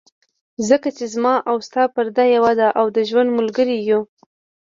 ځکه چې زما او ستا پرده یوه ده، او د ژوند ملګري یو.